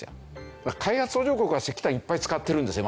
開発途上国は石炭いっぱい使ってるんですよ